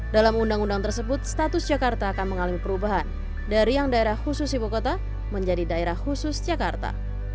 dalam undang undang tersebut status jakarta akan mengalami perubahan dari yang daerah khusus ibu kota menjadi daerah khusus jakarta